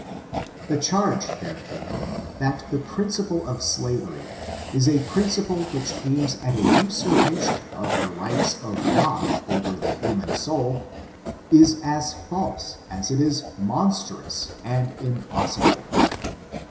The charge, therefore, that the principle of slav ery, is a principle which aims at a usurpation of the rights of God over the human soul, is as false as it is monstrous and impossible.